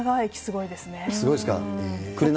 すごいですか。